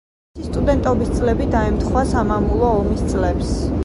მისი სტუდენტობის წლები დაემთხვა სამამულო ომის წლებს.